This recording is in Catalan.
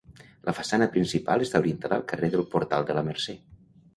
La façana principal està orientada al carrer del Portal de la Mercè.